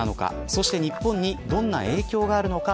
そして日本にどんな影響があるのか。